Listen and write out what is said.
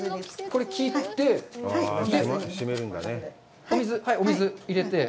これを切って、お水に入れて。